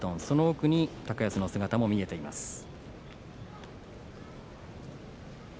その奥に高安の姿も見えています。